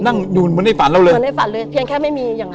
นั่งอยู่เหมือนในฝันเราเลยเหมือนในฝันเลยเพียงแค่ไม่มีอย่างนั้น